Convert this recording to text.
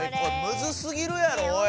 むずすぎるやろおい！